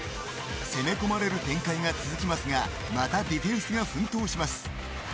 攻め込まれる展開が続きますがまたディフェンスが奮闘します。